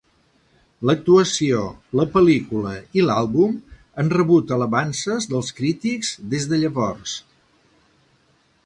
L'actuació, la pel·lícula i l'àlbum han rebut alabances dels crítics des de llavors.